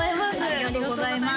ありがとうございます